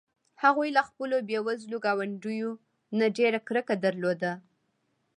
هغوی له خپلو بې وزلو ګاونډیو نه ډېره کرکه درلوده.